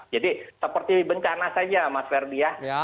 jadi seperti bencana saja mas ferdie ya